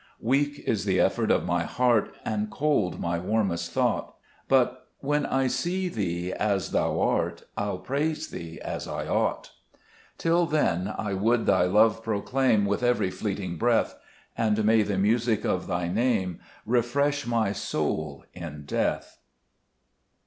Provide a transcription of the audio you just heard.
6 Weak is the effort of my heart, And cold my warmest thought ; But when I see Thee as Thou art, I'll praise Thee as I ought. 7 Till then I would Thy love proclaim With every fleeting breath ; And may the music of Thy Name Refresh my soul in death.